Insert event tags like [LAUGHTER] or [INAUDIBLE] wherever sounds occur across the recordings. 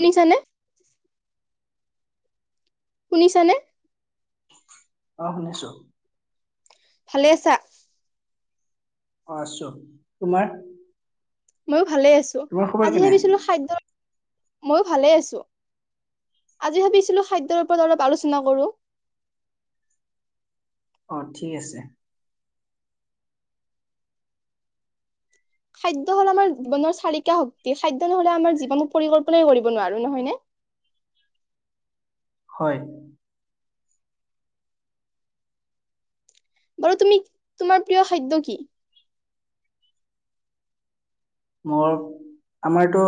শুনিছানে? শুনিছানে? অ', শুনিছোঁ। ভালে আছা? অ', আছো, তোমাৰ? ময়ো ভালে আছো, তোমাৰ খবৰ আজি কেনে ভাবিছিলো খাদ্যৰ ময়ো ভালে আছোঁ, আজি ভাবিছিলো, খাদ্যৰ ওপৰত অলপ আলোচনা কৰোঁ। অ', ঠিক আছে। খাদ্য হ'ল আমাৰ জীৱনৰ চাৰিকা শক্তি, খাদ্য নহ'লে আমাৰ জীৱন পৰিকল্পনাই কৰিব নোৱাৰো নহয় নে। হয়। বাৰু তুমি তোমাৰ প্ৰিয় খাদ্য কি? মোৰ আমাৰতো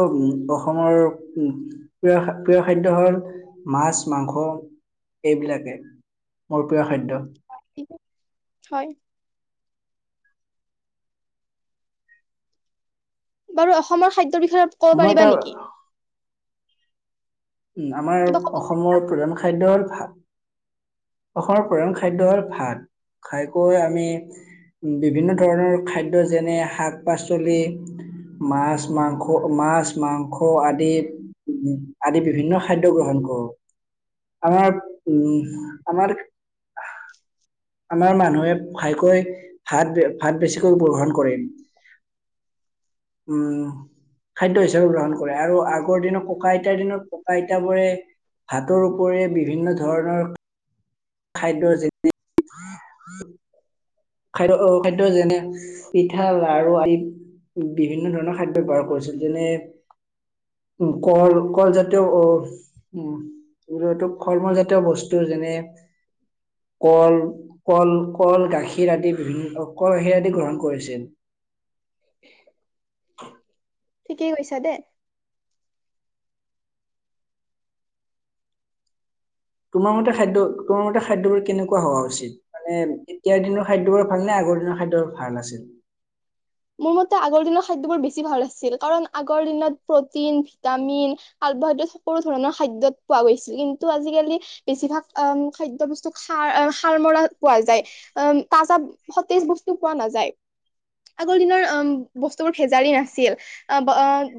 অসমৰ প্ৰিয় প্ৰিয় খাদ্য হ'ল, মাছ মাংস এইবিলাকে মোৰ প্ৰিয় খাদ্য। হয়। বাৰু অসমৰ খাদ্যৰ বিষয়ে ক'ব মোৰ এটা পাৰিবা নেকি? উম, উম আমাৰ কিবা ক'ব অসমৰ প্ৰধান খাদ্য হ'ল, ভাত [INAUDIBLE] অসমৰ প্ৰধান খাদ্য হ'ল ভাত, খাইকৈ আমি বিভিন্ন ধৰণৰ খাদ্য যেনে শাক পাচলি মাছ, মাংস মাছ, মাংস আদি আদি বিভিন্ন খাদ্য গ্ৰহণ কৰোঁ, আমাৰ উম আমাৰ আমাৰ মানুহে খাইকৈ ভাত ভাত বেছিকৈ উপশৰণ কৰে। [INAUDIBLE] উম, খাদ্য হিচাপে গ্ৰহণ কৰে, আৰু আগৰ দিনত ককা আইতাৰ দিনত আইত বোৰে, ভাতৰ উপৰি বিভিন্ন ধৰণৰ খাদ্য যেনে খাদ্য অ খাদ্য যেনে পিঠা লাৰু আদি। বিভিন্ন ধৰণৰ খাদ্য ব্যৱহাৰ কৰিছিল, যেনে উম, কল কলজাতীয় উম, তো ফল মূল জাতীয় বস্তু যেনে কল কল কল গাখীৰ আদি বিভিন্ন কল গাখীৰ আদি গ্ৰহণ কৰিছিল। ঠিকেই কৈছা দে। তোমাৰ মতে খাদ্য তোমাৰ মতে খাদ্যবোৰ কেনেকুৱা হোৱা উচিত? মানে এতিয়াৰ দিনৰ খাদ্যবোৰ ভাল নে, আগৰ দিনৰ খাদ্যবোৰ ভাল আছিল? মোৰ মতে আগৰ দিনৰ খাদ্যবোৰ বেছি ভাল আছিল, কাৰণ আগৰ দিনত প্ৰটিন ভিটামিন কাৰ্বহাইড্ৰেট সকলো ধৰণৰ খাদ্যত পোৱা গৈছিল। কিন্তু আজিকালি বেছিভাগ আঁহ খাদ্য বস্তু সাৰ সাৰ মৰা পোৱা যায়। অম তাজা সতেজ বস্তু পোৱা নাযায়। আগৰ দিনৰ ঔম বস্তুবোৰ ভেজাৰি নাছিল। অঁ বা অঁ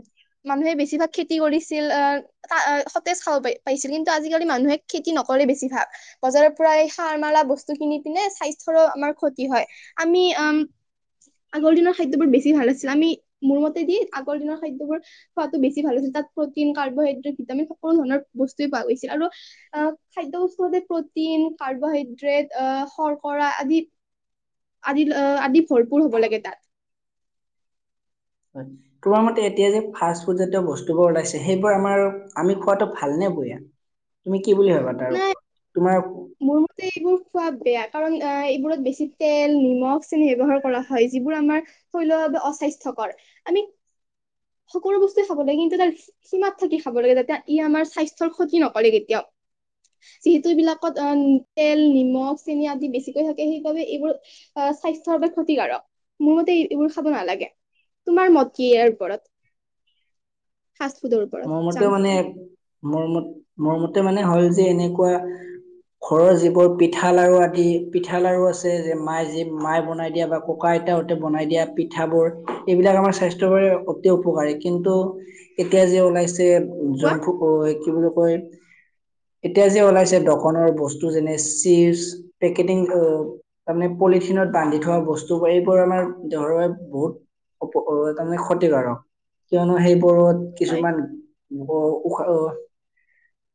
মানুহে বেছিভাগ খেতি কৰিছিল। অঁহ কা সতেজ খাব পাইছিল। কিন্তু আজিকালি মানুহে খেতি নকৰে বেছি ভাগ। বজাৰৰ পৰা সাৰ মাৰা বস্তু কিনি পিনে স্বাস্থ্যৰো আমাৰ ক্ষতি হয়। আমি উম আগৰ দিনৰ খাদ্যবোৰ বেছি ভাল আছিল। আমি মোৰ মতে দি আগৰ দিনৰ খাদ্যবোৰ খোৱাতটো বেছি ভাল আছিল। তাত প্ৰটিন কাৰ্বহাইড্ৰেট ভিটামিন সকলো ধৰণৰ বস্তুয়ে পোৱা গৈছিল, আৰু অঁ খাদ্য বস্তু সদায় প্ৰটিন কাৰ্বহাইড্ৰেট অঁ শৰ্কৰা আদি আদি আদি ভৰপূৰ হ'ব লাগে তাত। হয়। তোমাৰ মতে এতিয়া যে ফাষ্ট ফুড জাতীয় বস্তুবোৰ ওলাইছে সেইবোৰ আমাৰ আমি খোৱাটো ভালনে বেয়া? তুমি কি বুলি ভাবা তাৰ নাই ওপৰত? তোমাৰ মোৰ মতে এইবোৰ খোৱা বেয়া, কাৰণ এইবোৰত বেছি তেল নিমখ চেনি ব্যৱহাৰ কৰা হয়। যিবোৰ আমাৰ থলুৱা ভাবে অস্বাস্থ্যকৰ। আমি সকলো বস্তুৱে খাব লাগে, কিন্তু তাৰ সীমাত থাকি খাব লাগে, যাতে ই আমাৰ স্বাস্থ্যৰ ক্ষতি নকৰে কেতিয়াও। যিহেতু এবিলাকত অঁ তেল নিমখ চেনি আদি বেছিকৈ থাকে সেইবাবে এইবোৰ আঁহ স্বাস্থ্যৰ বাবে ক্ষতিকাৰক মোৰ মতে এইবোৰ খাব নালাগে। তোমাৰ মত কি ইয়াৰ ওপৰত? ফাষ্ট ফুডৰ ওপৰত। মোৰ জাংক মতে মানে ফুডৰ মোৰমতে মোৰ মতে মানে হল যে এনেকুৱা ঘৰৰ যিবোৰ পিঠা লাড়ু আদি পিঠা লাড়ু আছে, যে মায়ে যি মাই বনাই দিয়া বা ককা আইতাহতে বনাই দিয়া পিঠাবোৰ, এইবিলাক আমাৰ স্বাস্থ্যৰ বাবে অতি উপকাৰী কিন্তু এতিয়া যে ওলাইছে কোৱা জংকফু কি বুলি কয়? এতিয়া যে ওলাইছে দকনৰ বস্তু যেনে চিপছ, পেকেটিং তাৰমানে পলিথিনত বান্ধি থোৱা বস্তুবোৰ এইবোৰ আমাৰ দেহৰে বহুত অ', তাৰমানে ক্ষতিকাৰক, কিয়নো সেইবোৰত হয় কিছুমান ব উখ, আহ',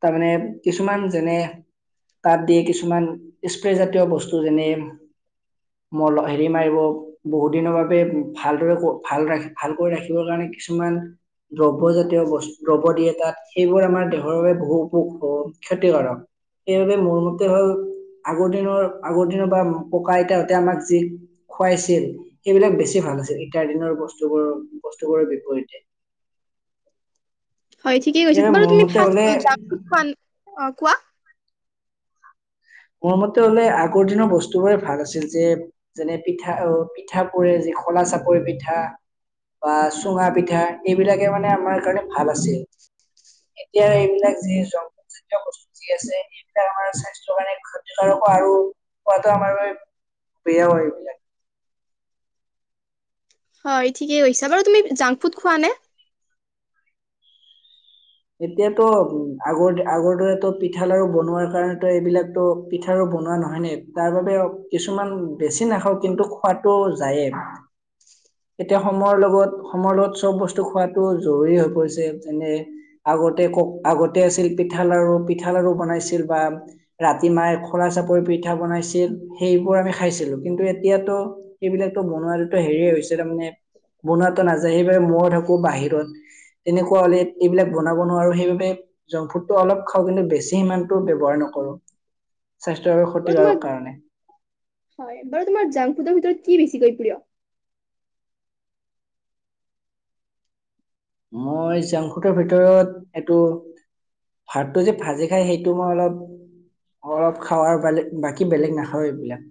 তাৰমানে কিছুমান যেনে তাত দিয়ে কিছুমান স্প্ৰেজাতীয় বস্তু যেনে মোৰ ল হেৰি মাৰিব। বহুত দিনৰ বাবে ভালদৰে ভাল ৰাখি ভাল কৰি ৰাখিবৰ কাৰণে কিছুমান দ্ৰব্য জাতীয় বস্তু দ্ৰব্য দিয়ে তাত, সেইবোৰ আমাৰ দেহৰ বাবে বহু উপ ক্ষতিকাৰক। সেইবাবে মোৰ মতে হ'ল, আগৰ দিনৰ আগৰ দিনৰ বা ককা আইতাহতে আমাক যি খুৱাইছিল, সেইবিলাক বেছি ভাল আছিল, এতিয়া দিনৰ বস্তুবোৰৰ বস্তু বোৰৰ বিপৰীতে। হয় ঠিকেই কৈছা, সেয়ে বাৰু মোৰ তুমি মতে হলে ফাৰ্ষ জাংক ফুদ খোৱা অ', কোৱা? মোৰ মতে হ'লে আগৰ দিনৰ বস্তু বোৰে ভাল আছিল, যে যেনে পিঠা আহ', পিঠা পুৰে যি খোলা চাপৰি পিঠা। বা চুঙা পিঠা, এইবিলাকে মানে আমাৰ কাৰণে ভাল আছিল। এতিয়া আৰু এইবিলাক যি জংকফুদ জাতীয় বস্তু যি আছে, এইবিলাক আমাৰ স্বাস্থ্যৰ কাৰণে ক্ষতিকাৰকো আৰু খোৱাটো আমাৰ বাবে বেয়াও হয় এইবিলাক। হয়, ঠিকে কৈছা, বাৰু তুমি জাংক ফুড খোৱা নে? এতিয়াতো আগৰ আগৰ দৰেটো পিঠা লাড়ু বনোৱাৰ কাৰণেতো এইবিলাকতো পিঠা বনোৱা নহয় নে, তাৰ বাবেও কিছুমান বেছি নাখাওঁ, কিন্তু খোৱাটো যায়ে। [INAUDIBLE] এতিয়া সময়ৰ লগত সময়ৰ লগত চব বস্তু খোৱাটো জৰুৰী হৈ পৰিছে, এনে আগতে কক আগতে আছিল পিঠা লাড়ু, পিঠা লাড়ু বনাইছিল বা ৰাতি মায়ে খোলা চাপৰি পিঠা বনাইছিল, সেইবোৰ আমি খাইছিলো, কিন্তু এতিয়াতো সেইবিলাকো বনোৱাতোতো হেৰিয়ে হৈছে, তাৰমানানে বনোৱাটো নাযায়, সেইবাবে মই থাকো বাহিৰত। তেনেকুৱা হ'লে এইবিলাক বনাব নোৱাৰো, সেইবাবে জংক ফুডটো অলপ খাওঁ, কিন্তু বেছি সিমানটো ব্যৱহাৰ নকৰো। স্বাস্থ্যৰ বাবে বাৰু তোমাৰ ক্ষতিকাৰক কাৰণে। হয়, বাৰু তোমাৰ জাংক ফুডৰ ভিতৰত কি বেছিকৈ প্ৰিয়? মই জাংকফুদৰ ভিতৰত এইটো ভাতটো যে ভাজি খাই, সেইটো মই অলপ অলপ খাওঁ আৰু, বেলেগ বাকী বেলেগ নাখাওঁ এইবিলাক।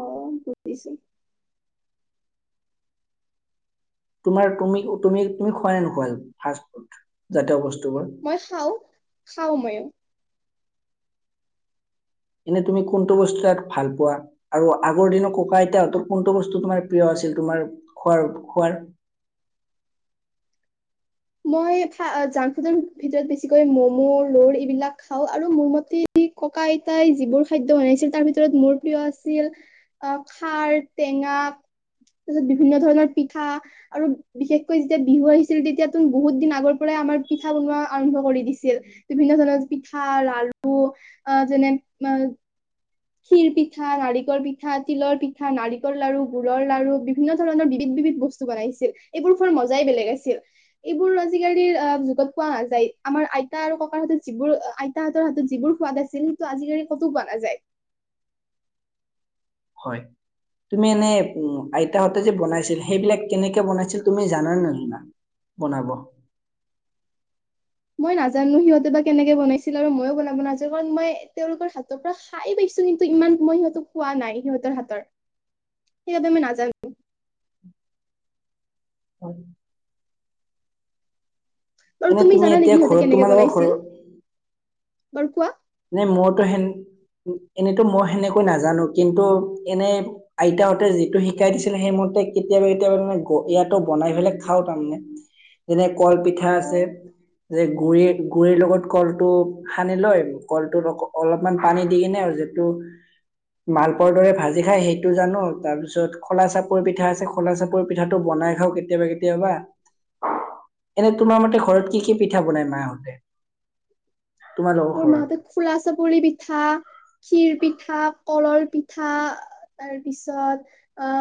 অ', বুজিছো। তোমাৰ তুমি তুমি তুমি খোৱা নে নোখোৱা ফাষ্ট ফুড জাতীয় বস্তুবোৰ? মই খাও, খাও ময়ো। এনেই তুমি কোনটো বস্তু তাত ভাল পোৱা? আৰু আগৰ দিনত ককা আইতাহঁতৰ কোনটো বস্তু তোমাৰ প্ৰিয় আছিল? তোমাৰ খোৱাৰ খোৱাৰ মই জাংক ফুডৰ ভিতৰত বেছিকৈ মম', ৰৰ এইবিলাক খাওঁ, আৰু মোৰ মতে ককা আইতাই যিবোৰ খাদ্য বনাইছিল, তাৰ ভিতৰত মোৰ প্ৰিয় আছিল অ', খাৰ, টেঙা তাৰপিছত বিভিন্ন ধৰণৰ পিঠা, আৰু বিশেষকৈ যেতিয়া বিহু আহিছিল তেতিয়া তুন বহুত দিন আগৰ পৰাই আমাৰ পিঠা বনোৱা আৰম্ভ কৰি দিছিল। বিভিন্ন ধৰণৰ পিঠা লাড়ু আ, যেনে খীৰ পিঠা, নাৰিকল পিঠা, তিলৰ পিঠা, নাৰিকল লাড়ু, গুৰ লাড়ু, বিভিন্ন ধৰণৰ বিবিধ বিবিধ বস্তু বনাইছিল, এইবোৰ খোৱাৰ মজাই বেলেগ আছিল। এইবোৰ আজিকালিৰ আ, যুগত পোৱা নাযায় আমাৰ আইতা আৰু ককাৰ হঁতে যিবোৰ আ আইতাহঁতৰ হাতত যিবোৰ সোৱাদ আছিল সেইটো আজিকাৰি কতো পোৱা নাযায়। হয়। তুমি এনে উম, আইতাহঁতে যে বনাইছিল সেইবিলাক কেনেকে বনাইছিল তুমি জানানে নাজানা? বনাব। মই নাজানো সিহঁতে বা কেনেকে বনাইছিলে আৰু ময়ো বনাব নাজা কাৰণ মই তেওঁলোকৰ হাতৰ পৰা খাই পাইছো কিন্তু ইমান মই সিহঁতক পোৱা নাই সিহঁতৰ হাতৰ, সেইবাবে মই নাজা [INAUDIBLE] বাৰু এনে তুমি জানা নেকি এতিয়া সিহঁতে ঘৰত কেনেকে তোমালোকৰ বনাইছিল ঘৰত বাৰু কোৱা নে মইতো সেন এনেতো মই সেনেকৈ নাজানো কিন্তু এনে আইতাহঁতে যিটো শিকাই দিছিল সেইমতে কেতিয়াবা কেতিয়াবা ইয়াতো বনাই পেলাই খাও তাৰমানে যেনে কলপিঠা অ আছে যে গুৰি গুৰিৰ লগত কলটো সানি লয় কলটোত অ, অলপমান পানী দি কিনে আৰু যিটো মালপোৱা দৰে ভাজি খাই সেইটো জানো তাৰ পিছত খলা চাপৰ পিঠা আছে খলা চাপৰ পিঠাটো বনাই খাও কেতিয়াবা কেতিয়াবা এনে তোমাৰ মতে ঘৰত কি কি পিঠা বনাই মাহঁতে? [INAUDIBLE] তোমালোকৰ মোৰ ঘৰত মাহঁতে খোলা চাপৰি পিঠা, খিৰ পিঠা, কলৰ পিঠা তাৰ পিছত আ,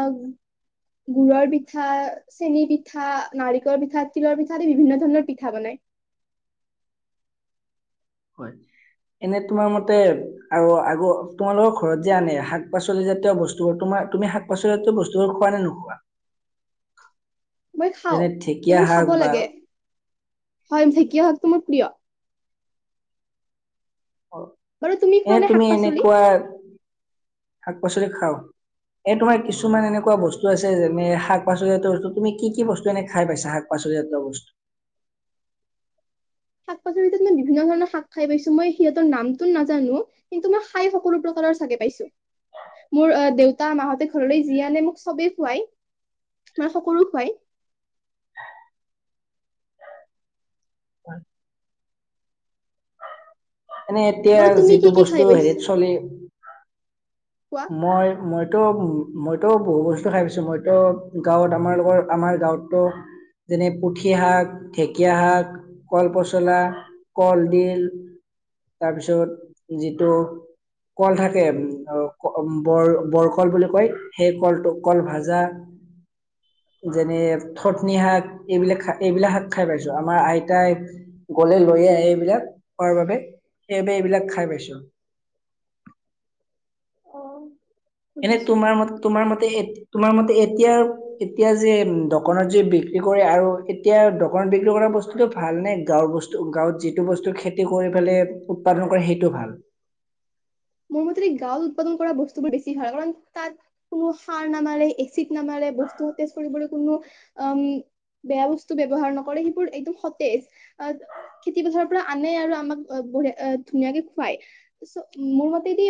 গুৰৰ পিঠা চেনী পিঠা, নাৰিকল পিঠা, তিলৰ পিঠা আদি বিভিন্ন ধৰণৰ পিঠা বনায়। হয়, এনে তোমাৰ মতে আৰু আৰু তোমালোকৰ ঘৰত যে আনে শাক পাচলি জাতীয় বস্তুবোৰ তোমাৰ তুমি শাক [UNINTELLIGIBLE] বস্তুবোৰ খোৱা নে নোখোৱা? মই খাও, যেনে ঢেকীয়া এইবোৰ শাক খাব বা লাগে। হয়, ঢেঁকীয়া শাকটো মোৰ প্ৰিয়। বাৰু এ খোৱা নে শাক তুমি পাচলি এনেকুৱা শাক পাচলি খাও, এ তোমাৰ কিছুমান শাক এনেকুৱা বস্তু আছে যেনে শাক পাচলি জাতীয় বস্তু, তুমি কি কি বস্তু এনে খাই পাইছা শাক পাচলি জাতীয় বস্তু শাক পাচলিৰ ভিতৰত মই বিভিন্ন ধৰণৰ শাক খাই পাইছো মই সিহঁতৰ নামটো নাজানো কিন্তু মই খাই সকলো প্ৰকাৰৰ চাগে পাইছো। মোৰ আ, দেউতা মাহঁতে ঘৰলৈ যি আনে মোক চবে খুৱাই, মানে সকলো খুৱাই। [INAUDIBLE] এনেই এতিয়া বাৰু তুমি কি যিটো কি বস্তু খাই পাইছা হেৰিত চলি মই মইতো - মইতো বহু বস্তু খাই পাইছো, মইতো গাঁৱত আমাৰ লগৰ আমাৰ গাঁৱততো যেনে পুঠি শাক, ঢেঁকীয়া শাক কল পচলা, কলডিল তাৰপিছত যিটো কল থাকে বৰ বৰকল বুলি কয়, সেই কলটো কল ভাজা যেনে থতনি শাক এইবিলাক এইবিলাক শাক খাই পাইছো আমাৰ আইতাই গলে লৈয়ে আহে এইবিলাক খোৱাৰ বাবে, সেইবে এইবিলাক খাই পাইছো। অ। এনে তোমাৰ ম তোমাৰ মতে তোমাৰ মতে এতিয়া। এতিয়া যে দোকনত যে বিক্ৰী কৰে আৰু এতিয়া দোকনত বিক্ৰী কৰা বস্তুুতটো ভাল নে গাঁৱৰ বস্তু। গাঁৱত যিটো বস্তু খেতি কৰি পেলে উৎপাদন কৰে সেইটো ভাল। মো মতেদি গাঁৱত উৎপাদন কৰা বস্তুবোৰ বেছি ভাল কাৰণ তাত। কোনো সাৰ নামাৰে এচিড নামাৰে বস্তু সতেজ কৰিবলৈ কোনো অ উম। বেয়া বস্তু ব্যৱহাৰ নকৰে সেইবোৰ একদম সতেজ। খেতি পথাৰৰ পৰা আনে আৰু আমাক বঢ ধুনীয়াকে খুৱাই চ মোৰ ম। মোৰ মতেদি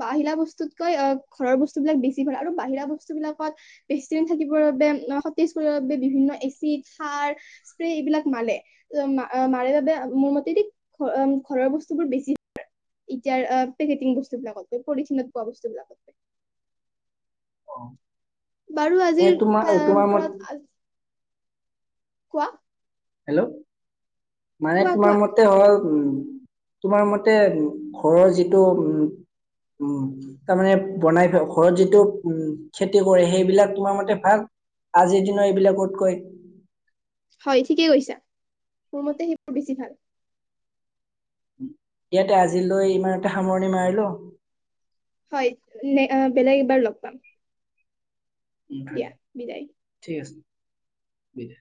বাহিৰা বস্তুতকৈ আহ ঘৰৰ বস্তু বিলাক বেছি ভাল আৰু বাহিৰা বস্তু বিলাকত। বেছিদিন থাকিবৰ বাবে সতেজ কৰিবৰ বাবে বিভিন্ন এচিড সাৰ। স্প্ৰে এইবিলাক মালে। মাৰে বাবে মোৰ মতে দি ঘৰৰ বস্তু বোৰ বেছি চলে। এতিয়া পেকেটিং বস্তু বিলাকতকৈ পলিথিনত পোৱা বস্তু বিলাকতকৈ। অ। বাৰু আজিৰ তাৰ মত ওপৰত। কোৱা? হেল্ল' মাইয়ে কোৱা তোমাৰ কোৱা মতে। তে হ'ল উম তোমাৰ মতে উ ঘৰৰ যিটো উম উম। তাৰমানে বনাই থোৱা ঘৰত যিটো উ খেতি কৰে সেইবিলাক তোমাৰ মতে ভাল। আজিৰ দিনৰ এইবিলাকতকৈ। হয় ঠিকেই কৈছা মোৰ মতে সেইবোৰ বেছি ভাল। ইয়াতে আজিলৈ ইমানতে সামৰণি মাৰিলোঁ। হয় বেলেগ এবাৰ লগ পাম। উম দিয়া বিদায় ঠিক আছে দে।